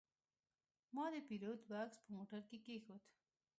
ما د پیرود بکس په موټر کې کېښود.